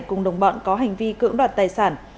cùng đồng bọn có hành vi cưỡng đoạt tài sản